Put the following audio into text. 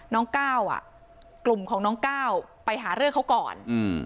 น้องก้าวอ่ะกลุ่มของน้องก้าวไปหาเรื่องเขาก่อน